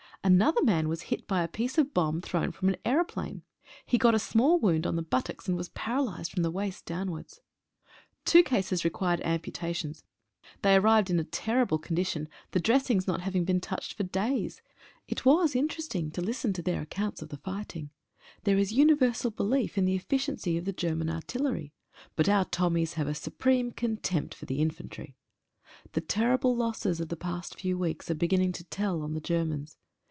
Another man was hit by a piece of a bomb thrown from an aeroplane. He got a small wound on the buttocks, and was paralysed from the waist downwards. Two cases required amputations — they arrived in a terrible condition, the dressings not having been touched for days. It was interesting to listen to their accounts of the fighting. There is uni versal belief in the efficiency of the German artillery, but our Tommies have a supreme contempt for the in fantry. The terrible losses of the past few weeks are beginning to tell on the Germans.